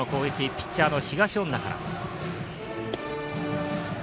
ピッチャーの東恩納から。